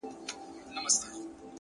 زحمت د هیلو ژبه ده,